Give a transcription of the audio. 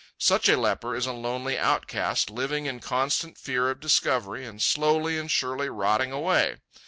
Such a leper is a lonely outcast, living in constant fear of discovery and slowly and surely rotting away.